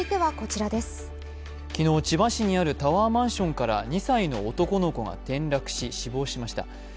昨日千葉市にあるタワーマンションから２歳の男の子が転落し、死亡しました。